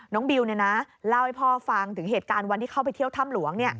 บิวเล่าให้พ่อฟังถึงเหตุการณ์วันที่เข้าไปเที่ยวถ้ำหลวง